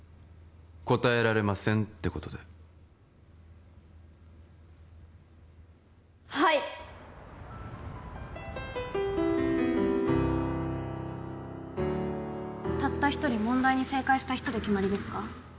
答えられませんってことではいたった一人問題に正解した人で決まりですか？